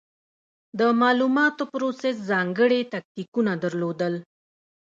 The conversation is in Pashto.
د مالوماتو پروسس ځانګړې تکتیکونه درلودل.